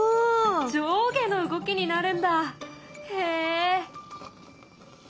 上下の動きになるんだへえ。